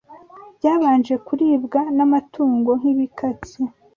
byabanje kuribwa n’amatungo nk’ibikatsi.